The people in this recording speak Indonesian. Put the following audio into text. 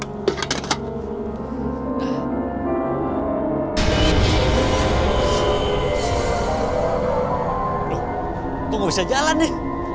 aduh kok gak bisa jalan nih